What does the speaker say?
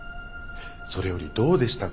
それよりどうでしたか？